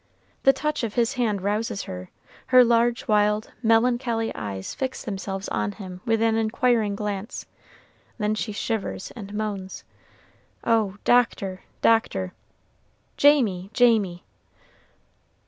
The touch of his hand rouses her, her large wild, melancholy eyes fix themselves on him with an inquiring glance, then she shivers and moans, "Oh, Doctor, Doctor! Jamie, Jamie!"